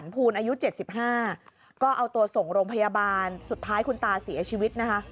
ภูลอายุ๗๕ก็เอาตัวส่งโรงพยาบาลสุดท้ายคุณตาเสียชีวิตนะคะ